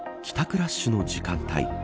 ラッシュの時間帯。